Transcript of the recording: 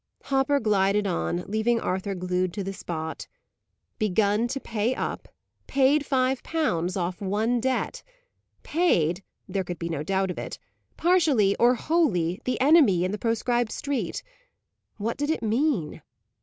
Hopper glided on, leaving Arthur glued to the spot. Begun to pay up! Paid five pounds off one debt! Paid (there could be no doubt of it) partially, or wholly, the "enemy" in the proscribed street! What did it mean?